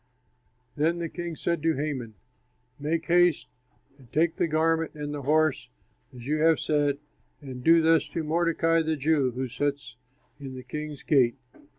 '" Then the king said to Haman, "Make haste and take the garment and the horse, as you have said, and do thus to Mordecai, the Jew, who sits in the king's gate.